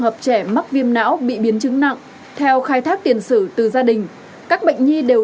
hợp trẻ mắc viêm não bị biến chứng nặng theo khai thác tiền sử từ gia đình các bệnh nhi đều